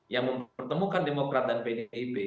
yang mempertemukan demokrat dan pdip